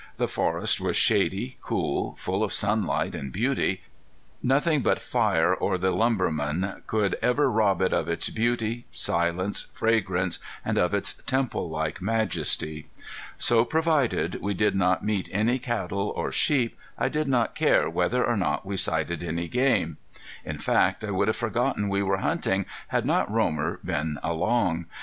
The forest was shady, cool, full of sunlight and beauty. Nothing but fire or the lumbermen could ever rob it of its beauty, silence, fragrance, and of its temple like majesty. So provided we did not meet any cattle or sheep I did not care whether or not we sighted any game. In fact I would have forgotten we were hunting had not Romer been along.